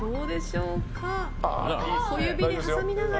小指で挟みながら。